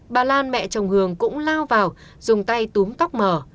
bà lan mẹ chồng hường cũng lao vào dùng tay túm tóc mở